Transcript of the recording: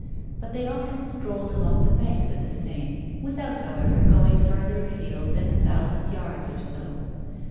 But they often strolled along the banks of the Seine, without, however, going farther afield than a thousand yards or so.